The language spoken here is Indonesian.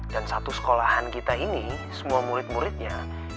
dan satu sekolahan kita ini semua murid muridnya